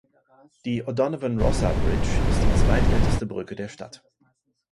Die O’Donovan Rossa Bridge ist die zweitälteste Brücke der Stadt.